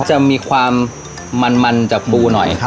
จะมีความมันมันจากปูหน่อยครับ